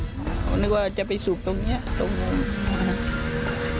เขานึกว่าจะไปสูบตรงนี้ตรงนู้น